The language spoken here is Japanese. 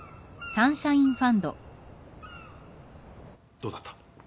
どうだった？